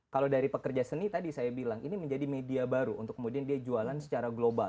kalau dari pekerja seni tadi saya bilang ini menjadi media baru untuk kemudian dia jualan secara global